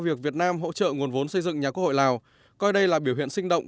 việc việt nam hỗ trợ nguồn vốn xây dựng nhà quốc hội lào coi đây là biểu hiện sinh động